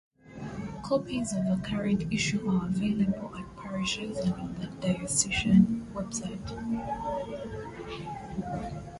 Copies of the current issue are available at parishes and on the diocesan website.